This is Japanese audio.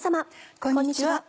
こんにちは。